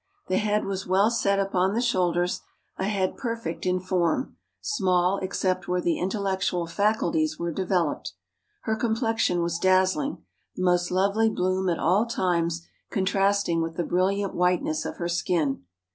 The head was well set upon the shoulders; a head perfect in form, small except where the intellectual faculties were developed. Her complexion was dazzling, the most lovely bloom at all times contrasting with the brilliant whiteness of her skin.